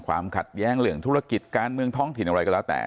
ความขัดแย้งเรื่องธุรกิจการเมืองท้องถิ่นอะไรก็แล้วแต่